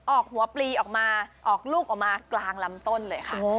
ออกหัวปลีออกมาออกลูกออกมากลางลำต้นเลยค่ะ